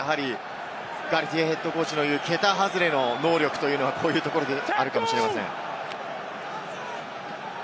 ガルティエＨＣのいう桁外れの能力というのは、そういうところにあるかもしれません。